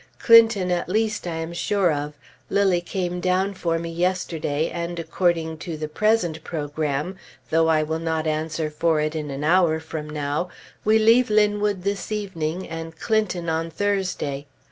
Clinton, at least, I am sure of. Lilly came down for me yesterday, and according to the present programme, though I will not answer for it in an hour from now, we leave Linwood this evening, and Clinton on Thursday.